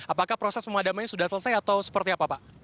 apakah proses pemadamannya sudah selesai atau seperti apa pak